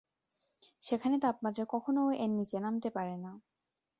সেখানে তাপমাত্রা কখনও এর নীচে নামতে পারে না।